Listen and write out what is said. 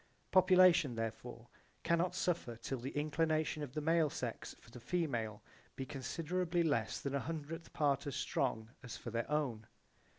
Population therefore cannot suffer till the inclination of the male sex for the female be considerably less than a hundredth part as strong as for their own.